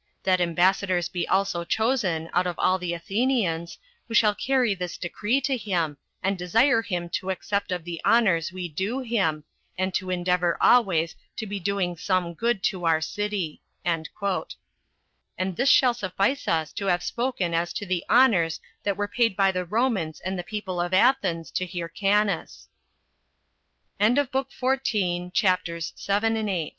That ambassadors be also chosen out of all the Athenians, who shall carry this decree to him, and desire him to accept of the honors we do him, and to endeavor always to be doing some good to our city." And this shall suffice us to have spoken as to the honors that were paid by the Romans and the people of Athens to Hyrcanus. CHAPTER 9. How Antipater Committed The Care Of Galilee To Herod, And That Of Jer